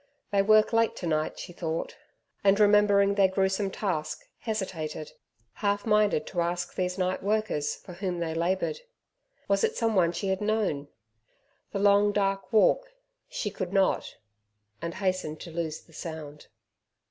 They work late tonight, she thought, and, remembering their gruesome task, hesitated, half minded to ask these night workers, for whom they laboured. Was it someone she had known? The long dark walk she could not and hastened to lose the sound.